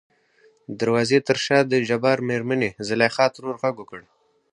د دروازې تر شا دجبار مېرمنې زليخا ترور غږ وکړ .